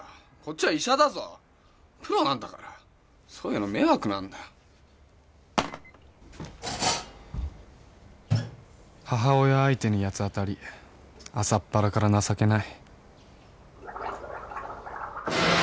俺は医者だぞプロなんだから迷惑だよ母親相手に八つ当たり朝っぱらから情けない